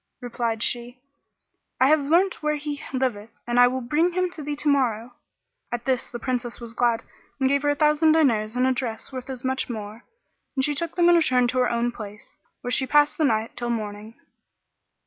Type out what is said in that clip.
Replied she, "I have learnt where he liveth and will bring him to thee tomorrow." At this the Princess was glad and gave her a thousand diners and a dress worth as much more, and she took them and returned to her own place, where she passed the night till morning.